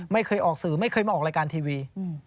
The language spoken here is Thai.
ไม่เคยออกสื่อไม่เคยมาออกรายการทีวี